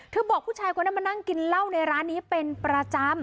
บอกผู้ชายคนนั้นมานั่งกินเหล้าในร้านนี้เป็นประจำ